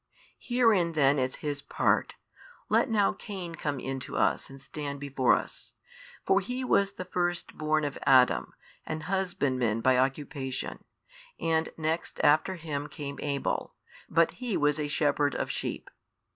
Herein then is his part, let now Cain come in to us and stand before us. For he was the first born of Adam, an husbandman by occupation, and next after him came Abel, but he was a shepherd of sheep.